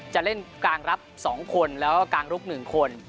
จะเล่นกางรับสองคนแล้วก็กางลุกหนึ่งคน